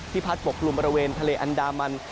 พัดปกกลุ่มบริเวณทะเลอันดามัน